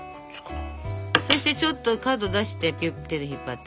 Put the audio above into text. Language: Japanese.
そしてちょっと角出して手で引っ張って。